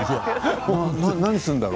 何すんだろう。